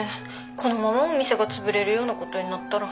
このままお店が潰れるようなことになったら。